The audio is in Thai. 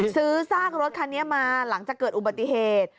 ซากรถคันนี้มาหลังจากเกิดอุบัติเหตุ